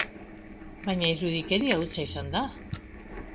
Baina irudikeria hutsa izan da.